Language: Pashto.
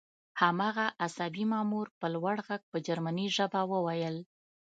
هماغه عصبي مامور په لوړ غږ په جرمني ژبه وویل